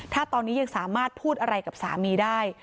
ถ้าตอนนี้ยังสามารถพูดอะไรกับสามีได้